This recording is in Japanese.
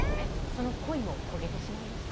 その恋も焦げてしまいました。